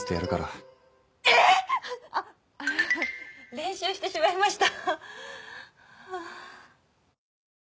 練習してしまいました。